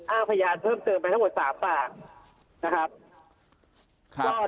พยานเพิ่มเติมไปทั้งหมด๓ปากนะครับ